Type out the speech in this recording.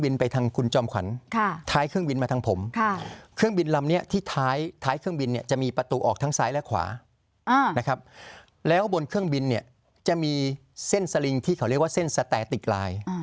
แล้วบนเครื่องบินเครื่องบินเนี่ยจะมีเส้นสลิงที่เขาเรียกว่าเส้นสแตติกลาย